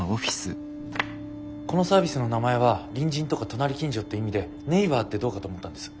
このサービスの名前は隣人とか隣近所って意味で「ネイバー」ってどうかと思ったんです。